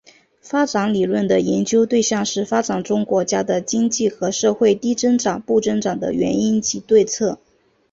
发展理论的研究对象是发展中国家的经济和社会低增长不增长的原因及对策。